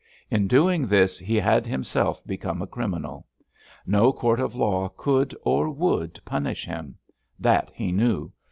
In doing this he had himself become a criminal. No court of law could, or would, punish him. That he knew.